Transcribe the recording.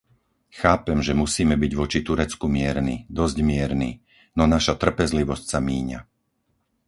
Chápem, že musíme byť voči Turecku mierni, dosť mierni, no naša trpezlivosť sa míňa.